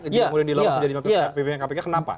jika mulai di lolos menjadi ppk kenapa